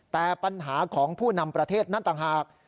แต่ปัญหาของผู้นำประเทศนั้นต่างหาก